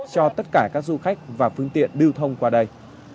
cho tất cả các du khách và phương tiện lưu thông qua đây